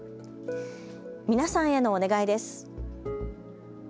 皆さんへのお願いです。